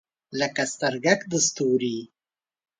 لکه سترګګ د ستوری